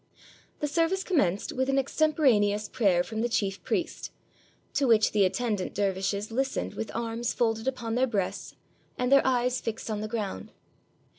The service commenced with an extemporaneous prayer from the chief priest, to which the attendant der vishes listened with arms folded upon their breasts and their eyes fixed on the ground.